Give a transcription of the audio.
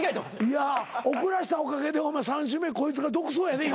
いや遅らせたおかげで３週目こいつが独走やで今。